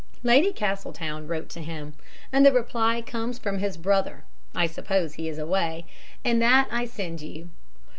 Lady Castletown wrote to him, and the reply comes from his brother (I suppose he is away), and that I send you.